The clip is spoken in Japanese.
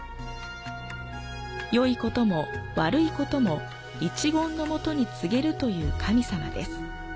良いことも悪いことも一言のもとに告げるという神様です。